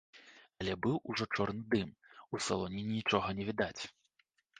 Але быў ужо чорны дым, у салоне нічога не відаць.